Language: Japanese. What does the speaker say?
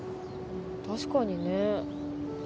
確かにね。